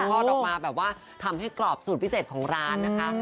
ทอดออกมาแบบว่าทำให้กรอบสูตรพิเศษของร้านนะคะ